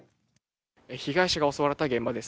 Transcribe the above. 被害者が襲われた現場です。